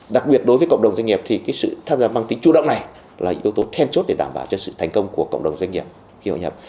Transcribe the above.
đặc biệt đối với cộng đồng doanh nghiệp thì sự tham gia mang tính chủ động này là yếu tố then chốt để đảm bảo cho sự thành công của cộng đồng doanh nghiệp khi hội nhập